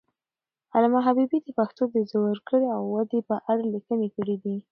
علامه حبیبي د پښتو د زوکړې او ودې په اړه لیکنې کړي دي.